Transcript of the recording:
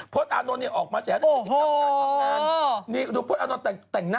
พลสอานนท์ออกมาแถวนี้ติอีก